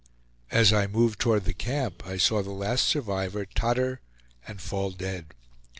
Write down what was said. As I moved toward the camp I saw the last survivor totter and fall dead.